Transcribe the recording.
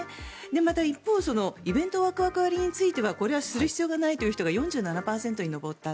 また一方、イベントワクワク割についてはこれはする必要がないという人が４７％に上った。